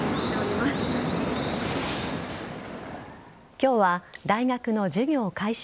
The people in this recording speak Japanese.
今日は大学の授業開始